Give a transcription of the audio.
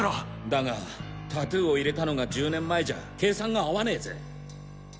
だがタトゥーを入れたのが１０年前じゃ計算が合わねぇぜ？